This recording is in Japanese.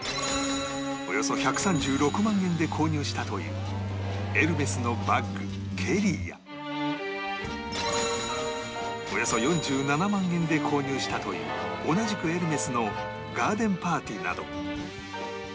およそ１３６万円で購入したというエルメスのバッグケリーやおよそ４７万円で購入したという同じくエルメスのガーデンパーティなど